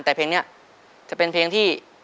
แต่เพลงนี้จะเป็นเพลงที่